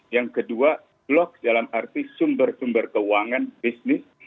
yang kedua blok dalam arti sumber sumber keuangan bisnis